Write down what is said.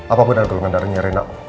apa benar golongan darahnya rena